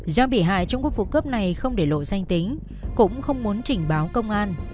do bị hại trong các vụ cướp này không để lộ danh tính cũng không muốn trình báo công an